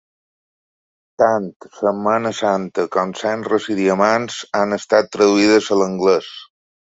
Tant "Setmana Santa" com "Cendres i Diamants" han estat traduïdes a l'anglès.